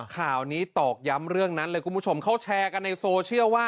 ข่าวนี้ตอกย้ำเรื่องนั้นเลยคุณผู้ชมเขาแชร์กันในโซเชียลว่า